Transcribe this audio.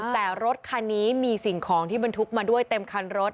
แต่รถคันนี้มีสิ่งของที่บรรทุกมาด้วยเต็มคันรถ